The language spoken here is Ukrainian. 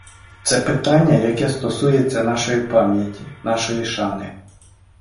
Це питання, яке стосується нашої пам'яті, нашої шани.